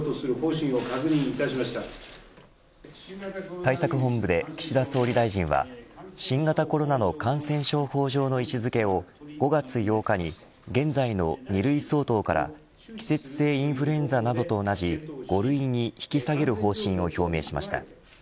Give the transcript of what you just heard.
対策本部で岸田総理大臣は新型コロナの感染症法上の位置付けを５月８日に現在の２類相当から季節性インフルエンザなどと同じ５類に引き下げる方針を表明しました。